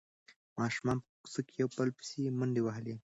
ماشومانو به په کوڅه کې یو بل پسې منډې وهلې.